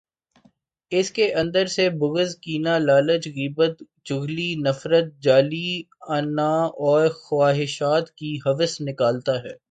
اس کے اندر سے بغض، کینہ، لالچ، غیبت، چغلی، نفرت، جعلی انااور خواہشات کی ہوس نکالتا ہے۔